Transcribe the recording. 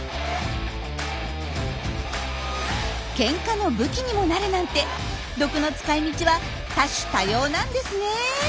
ケンカの武器にもなるなんて毒の使いみちは多種多様なんですね。